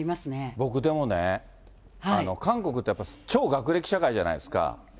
僕でもね、韓国ってやっぱり超学歴社会じゃないですか。